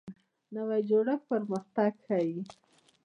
نوی جوړښت پرمختګ ښیي